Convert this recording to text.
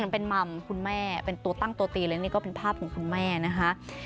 เป็นมัมคุณแม่เป็นตัวตั้งตัวตีเลยนี่ก็เป็นภาพของคุณแม่นะคะ